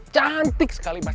cantik sekali mas